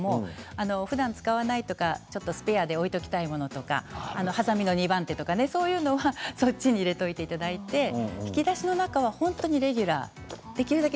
ふだん使わないとかスペアで置いておきたいとかはさみの２番手とかそういうものはその箱に入れていただいて引き出しの中は本当のレギュラーできるだけ